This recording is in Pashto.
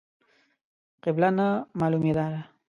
قبله نه مالومېدله.